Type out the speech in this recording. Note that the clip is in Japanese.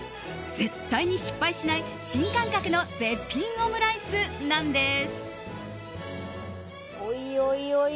絶対に失敗しない新感覚の絶品オムライスなんです。